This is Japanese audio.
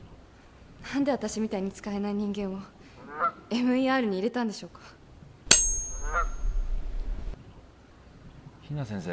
何で私みたいに使えない人間をＭＥＲに入れたんでしょうか比奈先生